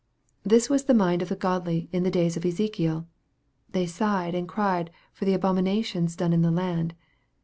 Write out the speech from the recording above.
This was the mind of the godly in the days of Ezekiel :" They sighed and cried for the abominations done in the land."